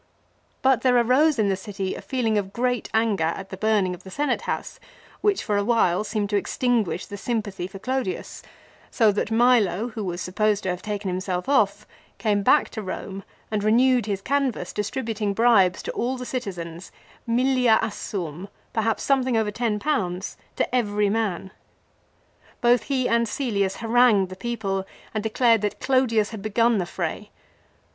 But there arose in the city a feeling of great anger at the burning of the Senate house, which for a while seemed to extinguish the sympathy for Clodius, so that Milo, who was supposed to have taken himself off, came back to Eome and renewed his canvass, distributing bribes to all the citizens, " inillia assuum," perhaps something over ten pounds, to every man. Both he and Cselius harangued the people, and declared that Clodius had begun the fray.